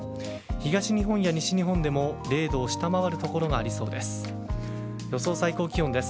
東日本や西日本でも０度を下回る所がありそうです。